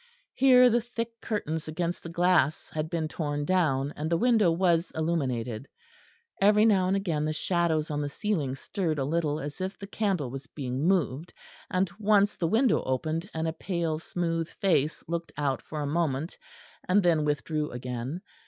Here the thick curtains against the glass had been torn down, and the window was illuminated; every now and again the shadows on the ceiling stirred a little as if the candle was being moved; and once the window opened and a pale smooth face looked out for a moment, and then withdrew again.